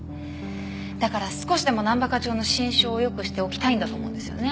だから少しでも難波課長の心証を良くしておきたいんだと思うんですよね。